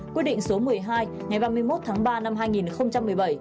quyết định số một mươi hai ngày ba mươi một tháng ba năm hai nghìn một mươi bảy